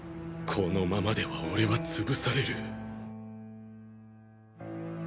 このままでは俺は潰される。